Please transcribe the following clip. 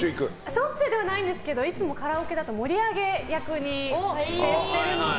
しょっちゅうではないんですけどいつもカラオケだと盛り上げ役に徹しているので。